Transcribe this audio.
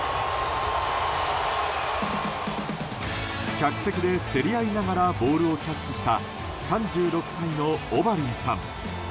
客席で競り合いながらボールをキャッチした３６歳のオバリーさん。